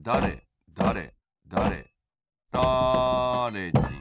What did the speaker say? だれだれ